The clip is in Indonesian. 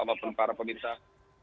walaupun para pemerintah